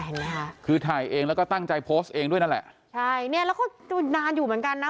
เห็นไหมคะคือถ่ายเองแล้วก็ตั้งใจโพสต์เองด้วยนั่นแหละใช่เนี้ยแล้วก็ดูนานอยู่เหมือนกันนะ